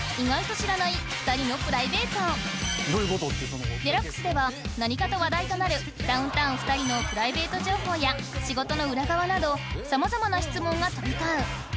まずは『ＤＸ』では何かと話題となるダウンタウン２人のプライベート情報や仕事の裏側など様々な質問が飛び交う